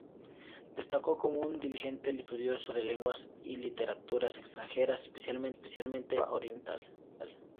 Destacó como un diligente estudioso de lenguas y literaturas extranjeras, especialmente de Europa Oriental.